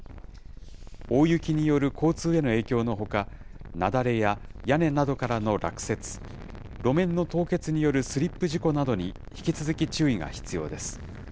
大雪による交通への影響のほか、雪崩や屋根などからの落雪、路面の凍結によるスリップ事故などに引き続き注意が必要です。